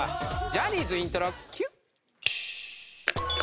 ジャニーズイントロＱ！